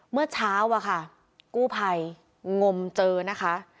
เมื่อเช้าอะค่ะกู้ภัยงมเจอนะคะ